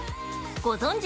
ご存じ！